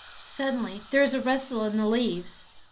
Suddenly there is a rustle in the leaves.